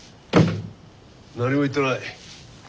何も言ってない。